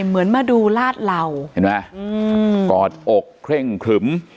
เหมือนมาดูลาดเหล่าเห็นไหมกอดอกเคร่งครึม